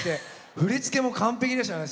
振り付けも完璧でしたね。